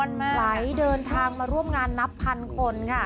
ไหลเดินทางมาร่วมงานนับพันคนค่ะ